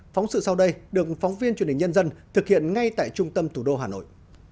phóng sự sau đây được phóng viên truyền hình nhân dân thực hiện ngay tại trung tâm thủ đô hà nội